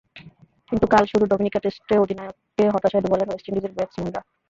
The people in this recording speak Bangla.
কিন্তু কাল শুরু ডমিনিকা টেস্টে অধিনায়ককে হতাশায় ডোবালেন ওয়েস্ট ইন্ডিজের ব্যাটসম্যানরা।